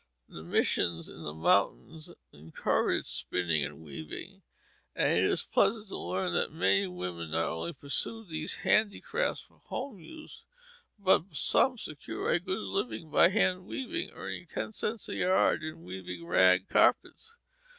The missions in the mountains encourage spinning and weaving; and it is pleasant to learn that many women not only pursue these handicrafts for their home use, but some secure a good living by hand weaving, earning ten cents a yard in weaving rag carpets.